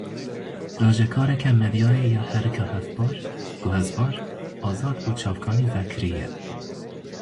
Rajekareke medyayê ya herika hevpar, guhezbar, azad û çavkanî vekirî ye.